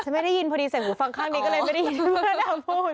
ฉันไม่ได้ยินพอดีเสียงหูฟังข้างนี้ก็เลยไม่ได้ยินเพื่อนละนะพูด